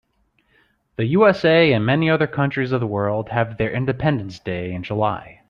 The USA and many other countries of the world have their independence day in July.